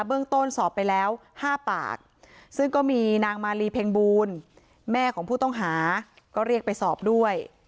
เรื่องต้นสอบไปแล้ว๕ปากซึ่งก็มีนางมาลีเพ็งบูลแม่ของผู้ต้องหาก็เรียกไปสอบด้วย